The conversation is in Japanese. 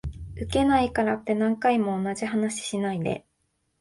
ウケないからって何回も同じ話しないで